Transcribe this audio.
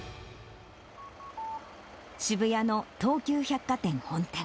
渋谷の東急百貨店本店。